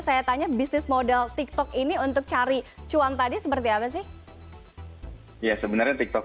saya tanya bisnis model tiktok ini untuk cari cuan tadi seperti apa sih ya sebenarnya tiktok